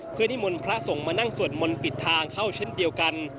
เพื่อนิมนต์พระสงฆ์มานั่งสวดมนต์ปิดทางเข้าเช่นเดียวกัน